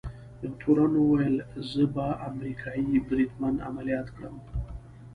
یوه تورن وویل: زه به امریکايي بریدمن عملیات کړم.